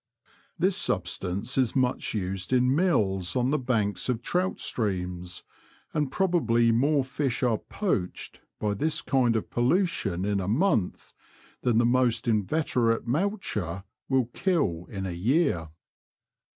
This substance is much used in mills on the banks of trout streams, and probably more fish are '^poached" lOO The Confessions of a T^oacher. by this kind of pollution in a month than the most inveterate moucher will kill in a year.